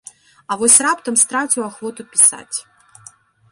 А вось раптам страціў ахвоту пісаць.